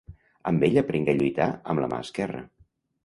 Amb ell aprengué a lluitar amb la mà esquerra.